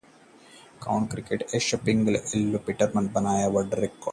county cricket में Ashwell Prince और Alviro Petersen ने बनाया वर्ल्ड रिकॉर्ड